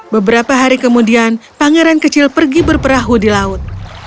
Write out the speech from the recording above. beberapa hari kemudian pangeran kecil pergi berperahu di laut